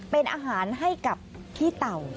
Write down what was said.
เป็นอาหารให้กับขี้เต่า